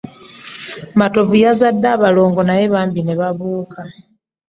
Matovu yazadde abalingo naye bambi ne babuuka.